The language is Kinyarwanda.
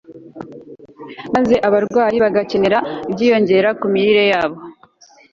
maze abarwayi bagakenera ibyiyongera ku mirire yabo